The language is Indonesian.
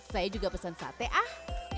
saya juga pesan sate ah